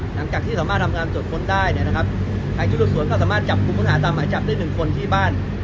หลังจากที่สามารถทำงานตรวจค้นได้ใครอยู่ด้วยสวนทราบสามารถจับคุมคลุงป์หาตามหมายจับได้๑คนที่บ้าน